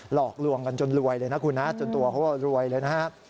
หลอกลวงกันจนรวยเลยนะคุณนะจนตัวเขาก็รวยเลยนะครับ